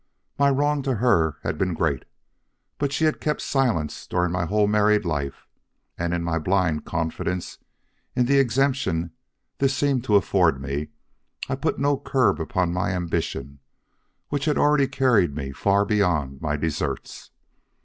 My wrongs to her had been great, but she had kept silence during my whole married life and in my blind confidence in the exemption this seemed to afford me, I put no curb upon my ambition which had already carried me far beyond my deserts.